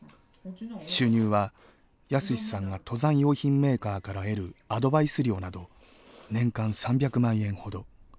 収入は泰史さんが登山用品メーカーから得るアドバイス料など年間３００万円ほど。